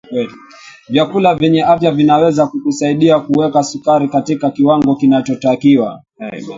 vyakula vyenye afya vinaweza kukusaidia kuweka sukari katika kiwango kinachotakiwa